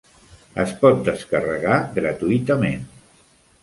Es pot descarregar gratuïtament.